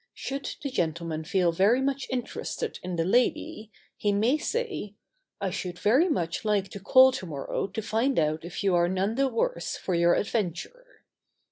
Should the gentleman feel very much interested in the lady, he may say, "I should very much like to call to morrow to find out if you are none the worse for your adventure."